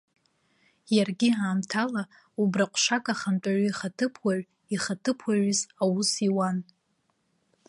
Иаргьы аамҭала, убра ҟәшак ахантәаҩы ихаҭыԥуаҩ ихаҭыԥуаҩыс аус иуан.